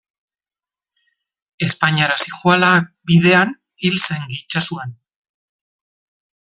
Espainiara zihoala bidean hil zen itsasoan.